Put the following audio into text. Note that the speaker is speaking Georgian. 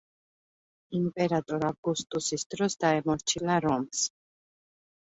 იმპერატორ ავგუსტუსის დროს დაემორჩილა რომს.